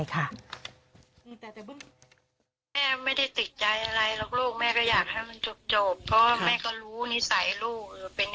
ติดใจอะไรแล้วลูกแม่ก็อยากให้มันจบ